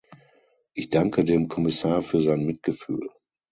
Ich danke dem Kommissar für sein Mitgefühl.